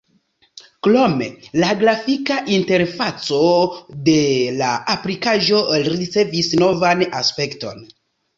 Krome la grafika interfaco de la aplikaĵo ricevis novan aspekton.